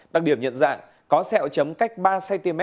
đặc điểm nhận dạng có xeo chấm cách ba cm